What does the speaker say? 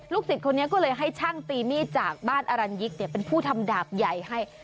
สิทธิ์คนนี้ก็เลยให้ช่างตีมีดจากบ้านอรัญยิกเป็นผู้ทำดาบใหญ่ให้